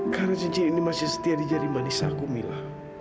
karena cincin ini masih setia di jari manis aku mila